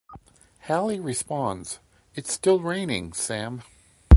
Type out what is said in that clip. Hally responds It's still raining, Sam.